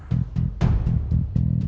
tasik tasik tasik